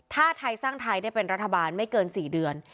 ถ้าไทยสร้างไทยได้เป็นรัฐบาลไม่เกิน๔เดือน